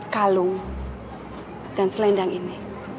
kalung dan selendang ini